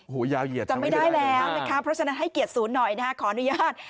โอ้โหยาวเหยียดจำไม่ได้แล้วนะคะเพราะฉะนั้นให้เกียรติศูนย์หน่อยนะฮะขออนุญาต